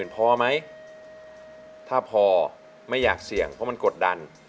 พอไหมถ้าพอไม่อยากเสี่ยงเพราะมันกดดัน